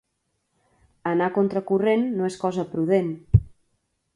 Anar contra corrent no és cosa prudent.